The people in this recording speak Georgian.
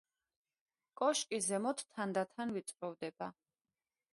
კოშკი ზემოთ თანდათან ვიწროვდება.